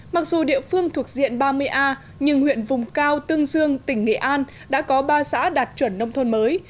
mặc dù địa phương thuộc diện ba mươi a nhưng huyện vùng cao tương dương tỉnh nghệ an đã có ba xã đạt chuẩn nông thôn mới